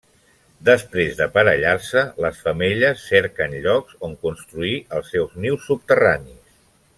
Després d'aparellar-se les femelles cerquen llocs on construir els seus nius subterranis.